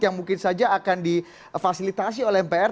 yang mungkin saja akan di fasilitasi oleh mpr